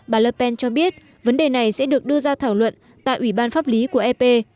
bà ler pen cho biết vấn đề này sẽ được đưa ra thảo luận tại ủy ban pháp lý của ep